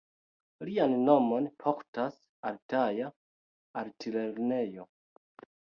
Lian nomon portas altaja altlernejo.